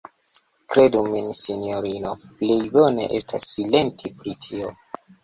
Kredu min, sinjorino, plej bone estas silenti pri tio.